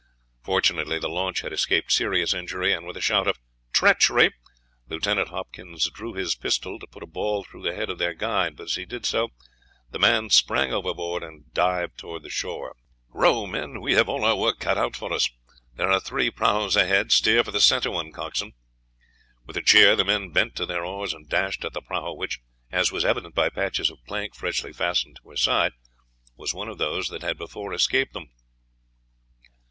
Fortunately the launch had escaped serious injury, and with a shout of "Treachery," Lieutenant Hopkins drew his pistol to put a ball through the head of their guide, but as he did so, the man sprang overboard and dived towards the shore. "Row, men; we have all our work cut out for us. There are three prahus ahead; steer for the center one, coxswain." With a cheer the men bent to their oars, and dashed at the prahu which, as was evident by patches of plank freshly fastened to her side, was one of those that had before escaped them.